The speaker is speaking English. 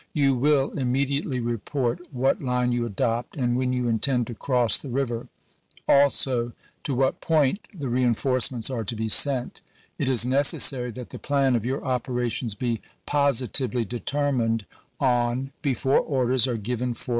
You will immediately report what line you adopt and when you intend to cross the river ; also to what point the reenforcements are to be sent. It is necessary that the plan of your operations be positively determined on before orders are given for building bridges and repairing railroads.